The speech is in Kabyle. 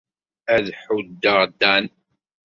Ad ḥuddeɣ Dan.